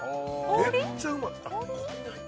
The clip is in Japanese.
めっちゃうまい氷？